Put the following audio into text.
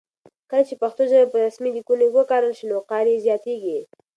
کله چې پښتو ژبه په رسمي لیکونو کې وکارول شي نو وقار یې زیاتېږي.